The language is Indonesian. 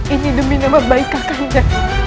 ini demi nama baik kakaknya